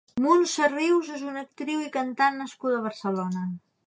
Muntsa Rius és una actriu i cantant nascuda a Barcelona.